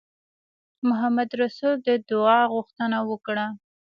محمدرسول د دعا غوښتنه وکړه.